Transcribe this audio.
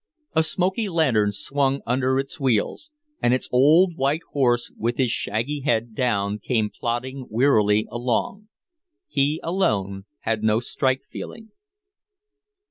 A smoky lantern swung under its wheels, and its old white horse with his shaggy head down came plodding wearily along. He alone had no strike feeling.